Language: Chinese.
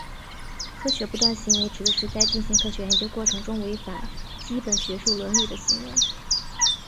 科学不端行为指的是在进行科学研究过程中违反基本学术伦理的行为。